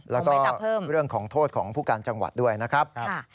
แล้วก็เรื่องของโทษของผู้การจังหวัดด้วยนะครับ